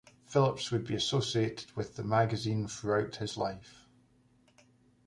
Phillips would be associated with the magazine throughout his life.